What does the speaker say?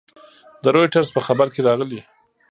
د رویټرز په خبر کې راغلي